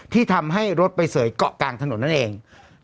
ที่ทำให้รถไปเสยเกาะกลางถนนนั่นเอง